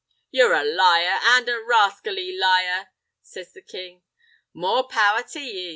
"Ye're a liar, an' a rascally liar," says the king. "More power to ye!"